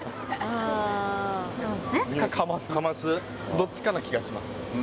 どっちかな気がします。